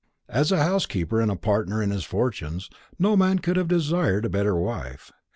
As a housekeeper and partner of his fortunes, no man could have desired a better wife.